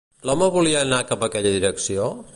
L'home volia anar cap aquella direcció?